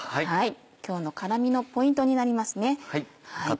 今日の辛みのポイントになりますね。